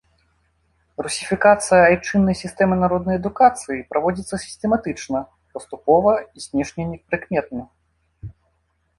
Русіфікацыя айчыннай сістэмы народнай адукацыі праводзіцца сістэматычна, паступова і знешне непрыкметна.